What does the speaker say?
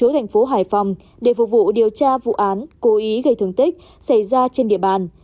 để phục vụ điều tra vụ án cố ý gây thương tích xảy ra trên địa bàn